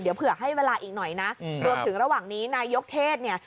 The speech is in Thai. เดี๋ยวเผื่อให้เวลาอีกหน่อยนะรวมถึงระหว่างนี้นายกเทศเนี่ย